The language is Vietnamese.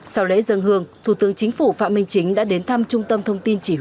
sau lễ dân hương thủ tướng chính phủ phạm minh chính đã đến thăm trung tâm thông tin